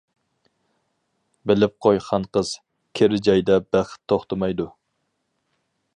بىلىپ قوي خانقىز، كىر جايدا بەخت توختىمايدۇ!